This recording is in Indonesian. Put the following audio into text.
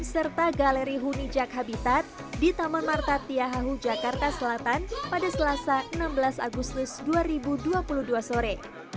serta galeri huni jak habitat di taman marta tiahahu jakarta selatan pada selasa enam belas agustus dua ribu dua puluh dua sore